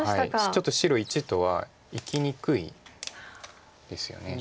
ちょっと白①とはいきにくいんですよね。